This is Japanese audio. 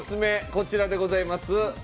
こちらでございます。